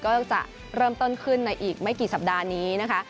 ก็จะเริ่มต้นขึ้นในอีกไม่กี่สัปดาห์นี้นะคะ